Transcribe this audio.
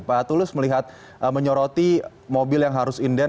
pak tulus melihat menyoroti mobil yang harus inden